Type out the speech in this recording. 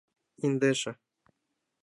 Индеше.